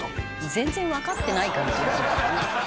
全然わかってない感じがするけどね。